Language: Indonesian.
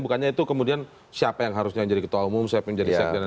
bukannya itu kemudian siapa yang harusnya jadi ketua umum siapa yang jadi sekjen